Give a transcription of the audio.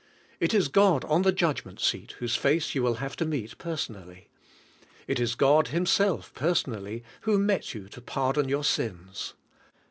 It is God on the judgment seat whose face you will have to meet personally. It is God Himself, personally, who met you to pardon your sins.